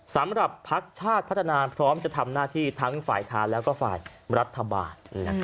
พักชาติพัฒนาพร้อมจะทำหน้าที่ทั้งฝ่ายค้านแล้วก็ฝ่ายรัฐบาล